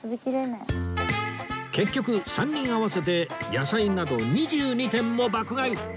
結局３人合わせて野菜など２２点も爆買い